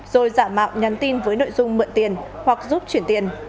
rồi giả mạo nhắn tin với nội dung mượn tiền hoặc giúp chuyển tiền